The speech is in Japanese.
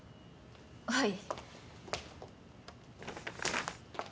はい。